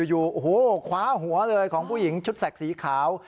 อยู่โอ้โหคว้าหัวเลยของผู้หญิงชุดแสกสีขาว